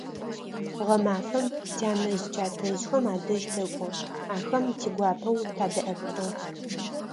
Гъэмэфэм тянэжъ-тятэжъхэм адэжь тэкӀо, ахэм тигуапэу тадэӀэпыӀэ.